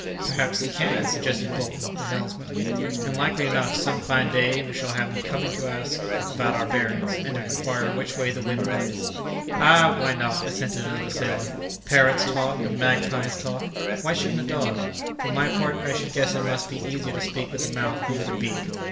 "Perhaps he can," suggested Bolton, the helmsman, "and likely enough some fine day we shall have him coming to ask about our bearings, and to inquire which way the wind lies." "Ah! why not?" assented another sailor; "parrots talk, and magpies talk; why shouldn't a dog? For my part, I should guess it must be easier to speak with a mouth than with a beak."